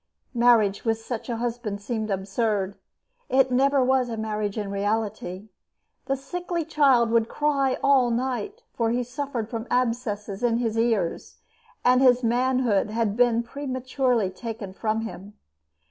Marriage with such a husband seemed absurd. It never was a marriage in reality. The sickly child would cry all night, for he suffered from abscesses in his ears, and his manhood had been prematurely taken from him.